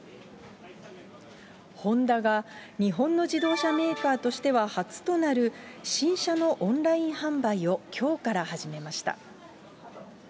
ホンダが日本の自動車メーカーとしては初となる新車のオンライン販売をきょうから始めました。